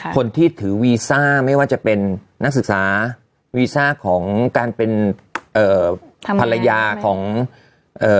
คนที่ถือวีซ่าไม่ว่าจะเป็นนักศึกษาวีซ่าของการเป็นเอ่อภรรยาของเอ่อ